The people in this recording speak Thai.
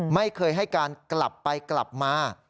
ไม่เคยให้การกลับไปกลับมา